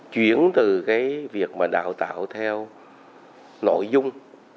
chuyển từ cái việc mà đào tạo theo nội dung